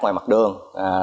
ngoài mặt đường